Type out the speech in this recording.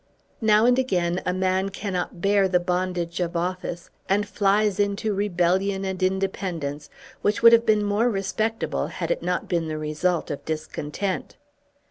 Now and again a man cannot bear the bondage of office, and flies into rebellion and independence which would have been more respectable had it not been the result of discontent.